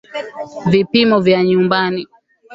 Vipimo vya nyumbani